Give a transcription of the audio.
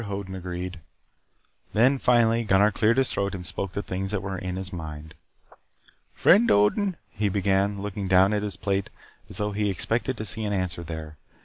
Odin agreed. Then, finally, Gunnar cleared his throat and spoke the things that were in his mind. "Friend Odin," he began, looking down at his plate as though he expected to see an answer there.